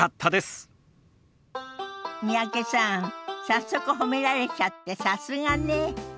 早速褒められちゃってさすがね。